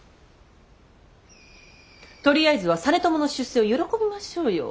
とりあえずは実朝の出世を喜びましょうよ。